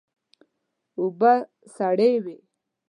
اوبه سړې وې.